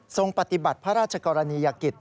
ปฏิบัติพระราชกรณียกิจ